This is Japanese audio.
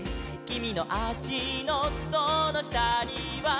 「きみのあしのそのしたには」